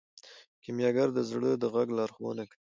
کیمیاګر د زړه د غږ لارښوونه کوي.